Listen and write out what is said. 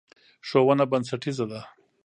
ښوونه بنسټیزه ده.